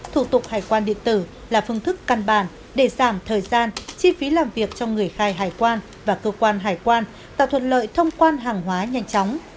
thủ tục hải quan điện tử là phương thức căn bản để giảm thời gian chi phí làm việc cho người khai hải quan và cơ quan hải quan tạo thuận lợi thông quan hàng hóa nhanh chóng